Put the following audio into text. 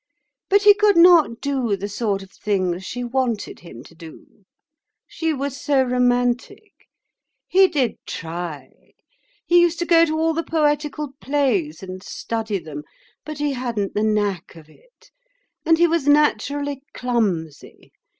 But he could not do the sort of things she wanted him to do; she was so romantic. He did try. He used to go to all the poetical plays and study them. But he hadn't the knack of it and he was naturally clumsy.